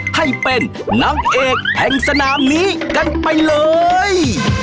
ให้เป็นนางเอกแห่งสนามนี้กันไปเลย